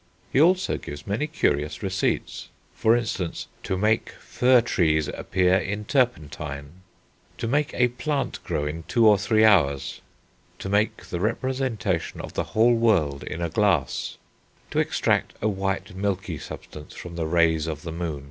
He also gives many curious receipts; for instance, "To make Firre trees appear in Turpentine," "To make a Plant grow in two or three hours," "To make the representation of the whole world in a Glass," "To extract a white Milkie substance from the raies of the Moon."